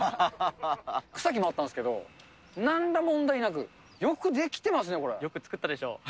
草木もあったんですけど、なんら問題なく、よく出来てますね、よく作ったでしょう。